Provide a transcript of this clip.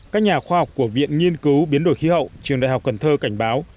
các nhà khoa học của viện nghiên cứu biến đổi khí hậu trường đại học cần thơ cảnh báo